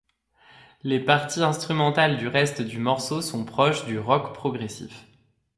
Les parties instrumentales du reste du morceau sont proches du rock progressif.